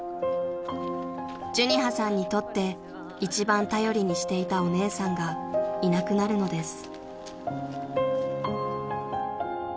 ［寿仁葉さんにとって一番頼りにしていたお姉さんがいなくなるのです］